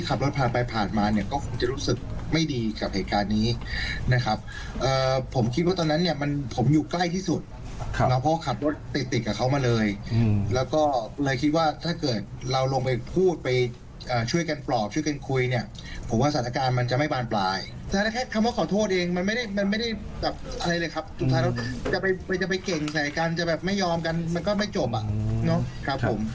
อะไรเลยครับสุดท้ายเราจะไปเก่งใส่กันจะแบบไม่ยอมกันมันก็ไม่จบครับผม